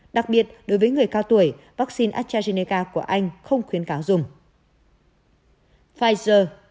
đặc biệt đối với người cao tuổi vắc xin astrazeneca của anh không khuyến cáo dùng